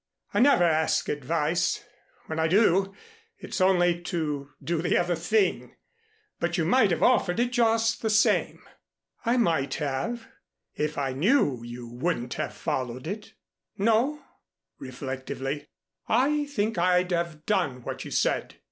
I never ask advice. When I do, it's only to do the other thing. But you might have offered it just the same." "I might have, if I knew you wouldn't have followed it." "No," reflectively. "I think I'd have done what you said.